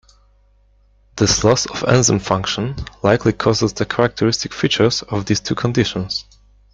This loss of enzyme function likely causes the characteristic features of these two conditions.